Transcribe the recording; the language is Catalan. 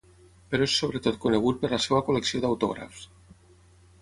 Però es sobretot conegut per la seva col·lecció d'autògrafs.